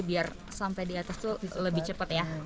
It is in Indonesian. biar sampai di atas itu lebih cepat ya